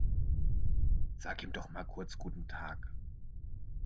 Sag ihm doch mal kurz guten Tag.